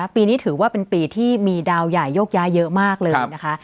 ปีนี้ถือว่าเป็นปีที่มีดาวใหญ่โยกย้ายเยอะมากเลยนะคะ